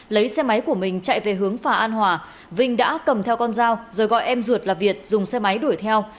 lấy xe máy của mình chạy về hướng phà an hòa vinh đã cầm theo con dao rồi gọi em ruột là việt dùng xe máy đuổi theo